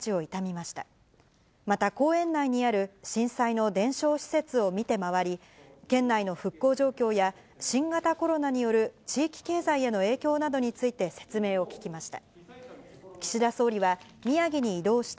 また公園内にある震災の伝承施設を見て回り、県内の復興状況や、新型コロナによる地域経済への影響などについて説明を聞きました。